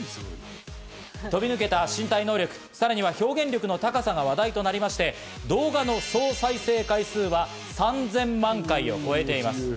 飛び抜けた身体能力、さらに表現力の高さが話題となり、動画の総再生回数は３０００万回を超えています。